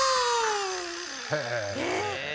へえ。